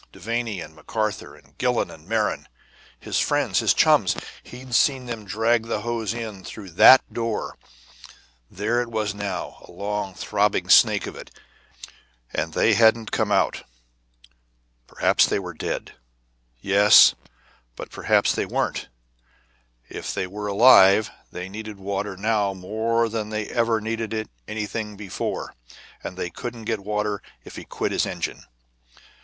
Devanny and McArthur, and Gillon and Merron, his friends, his chums: he'd seen them drag the hose in through that door there it was now, a long, throbbing snake of it and they hadn't come out. Perhaps they were dead. Yes, but perhaps they weren't. If they were alive, they needed water now more than they ever needed anything before. And they couldn't get water if he quit his engine.